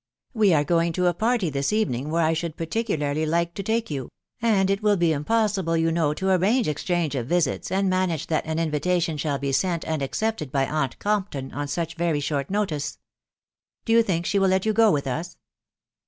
We are going to a party this evening where 1 should particularly like to take you, .... and it will be im possible, you know, to arrange exchange of visits, and manage that an invitation shall be sent and accepted by aunt Compton. on such very short notice. Do you think she will let you go with us?"